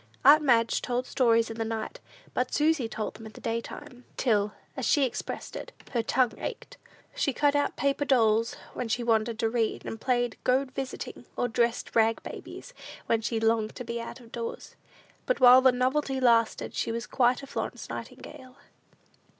Aunt Madge told stories in the night; but Susy told them in the daytime, till, as she expressed it, her "tongue ached." She cut out paper dolls when she wanted to read, and played go visiting, or dressed rag babies, when she longed to be out of doors. But while the novelty lasted, she was quite a Florence Nightingale.